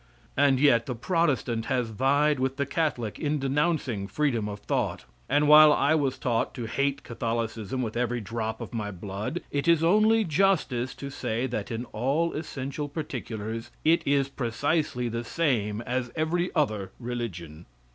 And yet the Protestant has vied with the Catholic in denouncing freedom of thought, and while I was taught to hate Catholicism with every drop of my blood, it is only justice to say that in all essential particulars it is precisely the same as every other religion.